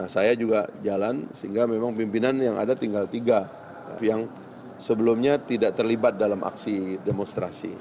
saya juga jalan sehingga memang pimpinan yang ada tinggal tiga yang sebelumnya tidak terlibat dalam aksi demonstrasi